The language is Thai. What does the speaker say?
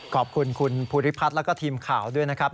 ขอบคุณคุณภูริพัฒน์แล้วก็ทีมข่าวด้วยนะครับ